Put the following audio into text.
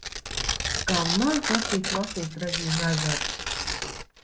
Kā man patīk lasīt Regīnu Ezeru!